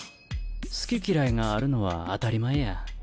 好き嫌いがあるのは当たり前や。